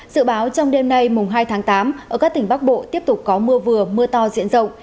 dự báo trong đêm nay mùng hai tháng tám ở các tỉnh bắc bộ tiếp tục có mưa vừa mưa to diện rộng